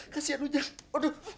kasian ujang aduh